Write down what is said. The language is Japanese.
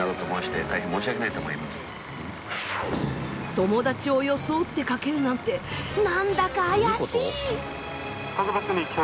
友達を装ってかけるなんて何だか怪しい！